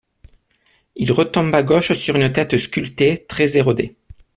Il retombe à gauche sur une tête sculptée, très érodée.